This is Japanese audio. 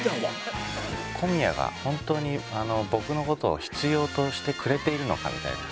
小宮が本当に僕の事を必要としてくれているのかみたいな。